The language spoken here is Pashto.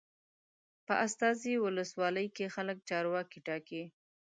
په استازي ولسواکۍ کې خلک چارواکي ټاکي.